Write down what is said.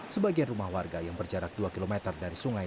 sebagian rumah warga yang berjarak dua km dari sungai